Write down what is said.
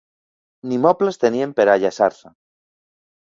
Ni mobles tenien per a ajaçar-se